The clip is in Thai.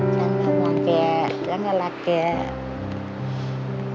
ฉันก็ห่วงแกแล้วก็รักแก